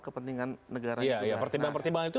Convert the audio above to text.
kepentingan negara ya ya pertimbangan pertimbangan itu